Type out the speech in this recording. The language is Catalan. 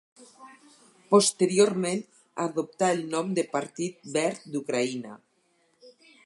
Posteriorment adoptà el nom de Partit Verd d'Ucraïna.